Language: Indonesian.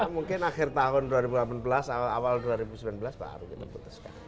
mungkin akhir tahun dua ribu delapan belas awal dua ribu sembilan belas baru kita putuskan